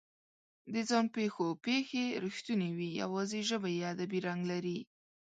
د ځان پېښو پېښې رښتونې وي، یواځې ژبه یې ادبي رنګ لري.